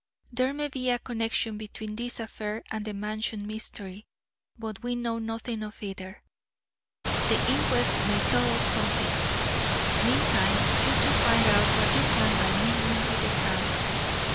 There may be a connection between this affair and the Mansion mystery, but we know nothing of either. The inquest may tell us something. Meantime, you two find out what you can by mingling with the crowd.